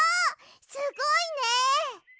すごいね！